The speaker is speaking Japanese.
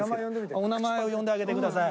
お名前を呼んであげてください。